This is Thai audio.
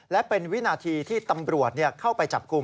และเป็นวินาทีที่ตำรวจเข้าไปจับกลุ่ม